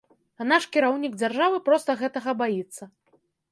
А наш кіраўнік дзяржавы проста гэтага баіцца.